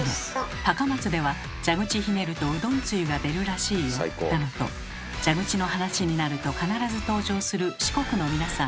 「高松では蛇口ひねるとうどんつゆが出るらしいよ」だのと蛇口の話になると必ず登場する四国の皆さん。